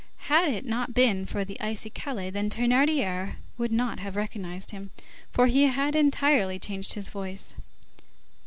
Had it not been for the icicaille, Thénardier would not have recognized him, for he had entirely changed his voice.